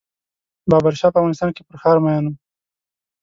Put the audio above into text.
بابر شاه په افغانستان کې پر ښار مین و.